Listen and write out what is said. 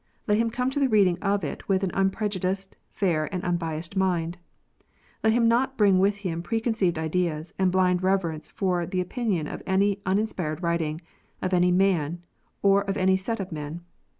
Let him come to the reading of it with an unprejudiced, fair, and unbiassed mind. Let him not bring with him pre conceived ideas, and a blind reverence for the opinion of any unin spired writing, of any man, or of any set of men.